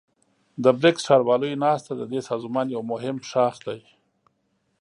د بريکس ښارواليو ناسته ددې سازمان يو مهم ښاخ دی.